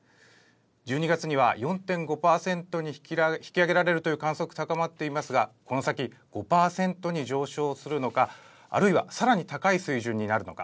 １２月には４．５％に引き上げられるという観測高まっていますがこの先、５％に上昇するのかあるいはさらに高い水準になるのか。